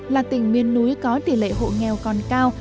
là tỉnh miên núi có tỉ lệ hộ nghèo còn cao